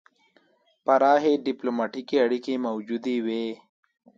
پراخې ډیپلوماتیکې اړیکې موجودې وې.